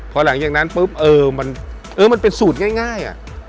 พอหลังจากนั้นมันเป็นสูตรง่าย